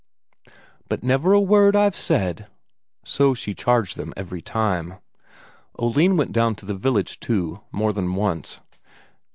"But never a word I've said," so she charged them every time. Oline went down to the village, too, more than once.